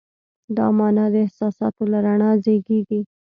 دا مانا د احساساتو له رڼا زېږېږي.